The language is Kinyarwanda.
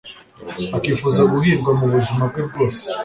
akifuza guhirwa mu buzima bwe bwose